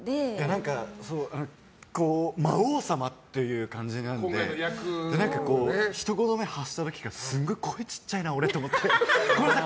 何か魔王様っていう感じなのでひと言目を発した時から俺、声小さいなと思ってごめんなさい！